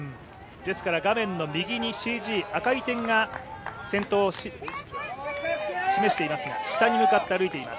画面の右に赤いＣＧ赤い点が先頭を示していますが下に向かって歩いています。